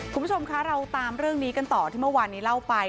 คุณผู้ชมคะเราตามเรื่องนี้กันต่อที่เมื่อวานนี้เล่าไป